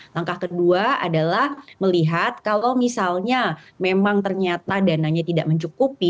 langkah kedua adalah melihat kalau misalnya memang ternyata dananya tidak mencukupi